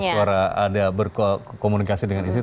iya sudah suara ada berkomunikasi dengan istri